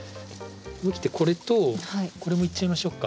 思い切ってこれとこれもいっちゃいましょうか。